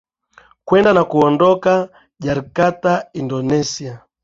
kwenda na kuondoka jarkata indonesia